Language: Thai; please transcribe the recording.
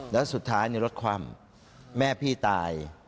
แล้วสุดท้ายรถคว่ำแม่พี่ตาย